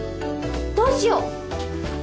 どうしよう。